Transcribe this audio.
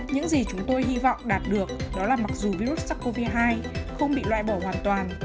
những gì chúng tôi hy vọng đạt được đó là mặc dù virus sars cov hai không bị loại bỏ hoàn toàn